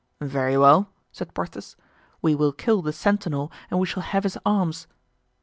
"Very well," said Porthos, "we will kill the sentinel and we shall have his arms."